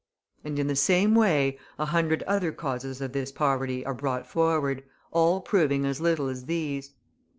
And in the same way a hundred other causes of this poverty are brought forward, all proving as little as these.